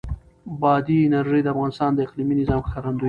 بادي انرژي د افغانستان د اقلیمي نظام ښکارندوی ده.